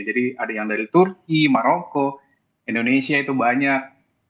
jadi ada yang dari turki maroko indonesia itu banyak